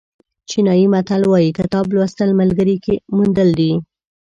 چینایي متل وایي کتاب لوستل ملګري موندل دي.